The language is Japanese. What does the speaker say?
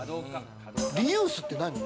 リユースって何？